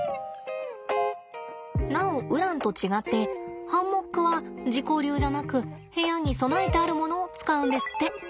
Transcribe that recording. なおウランと違ってハンモックは自己流じゃなく部屋に備えてあるものを使うんですって。